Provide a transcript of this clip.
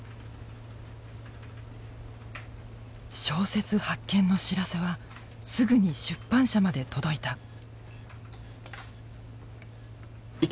小説発見の知らせはすぐに出版社まで届いた。